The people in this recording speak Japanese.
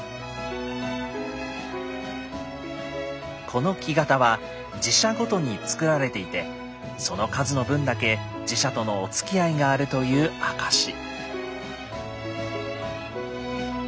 この木型は寺社ごとに作られていてその数の分だけ寺社とのおつきあいがあるという証し。